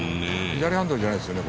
左ハンドルじゃないですよね。